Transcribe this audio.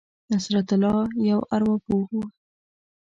نصرت الله یو ارواپوه دی.